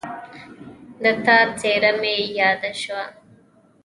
د تا څېره مې یاده شوه